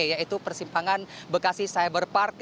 yaitu persimpangan bekasi cyber park